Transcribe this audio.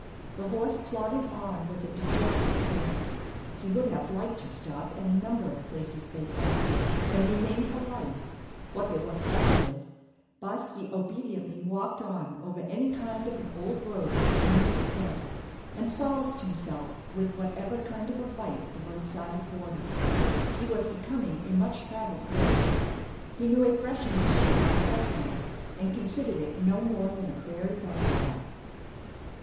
The horse plodded on with a dejected air. He would have liked to stop at a number of places they passed, and remain for life, what there was left of it; but he obediently walked on over any kind of an old road that came in his way, and solaced himself with whatever kind of a bite the roadside afforded. He was becoming a much travelled horse. He knew a threshing machine by sight now, and considered it no more than a prairie bob cat.